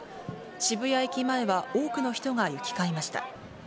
渋谷駅前は多くの人が行き交いました。